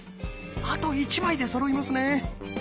あと１枚でそろいますね。